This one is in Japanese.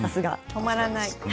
止まらない。